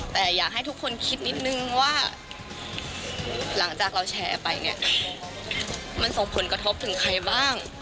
แต่อยากให้ทุกคนคิดนิดนึงว่าหลังจากเราแชร์ไปเนี่ยมันส่งผลกระทบถึงใครบ้าง